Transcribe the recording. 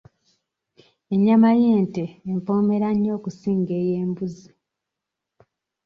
Ennyama y'ente empoomera nnyo okusinga ey'embuzi.